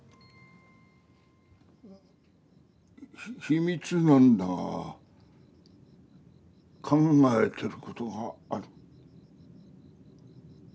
秘密なんだが考えてることがある。